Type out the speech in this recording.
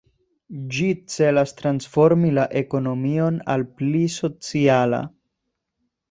Ĝi celas transformi la ekonomion al pli sociala.